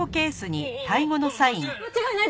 間違いない。